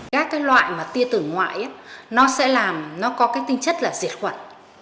các loại tiêu cực ngoại sẽ có tinh chất diệt khuẩn